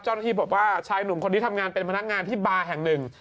เจ้าหน้าที่บอกว่าชายหนุ่มคนนี้ทำงานเป็นพนักงานที่บาร์แห่งหนึ่ง